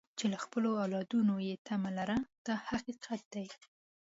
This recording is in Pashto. چې له خپلو اولادونو یې تمه لرئ دا حقیقت دی.